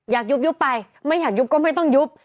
ยุบไปไม่อยากยุบก็ไม่ต้องยุบ